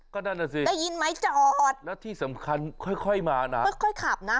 ก็นั่นแหละสิแล้วที่สำคัญค่อยมานะค่อยขับนะ